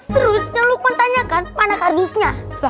terusnya lukman tanyakan mana kardusnya